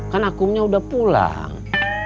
kan akunya udah pulang